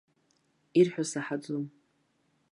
Ирҳәо саҳаӡом.